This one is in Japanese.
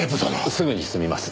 すぐに済みます。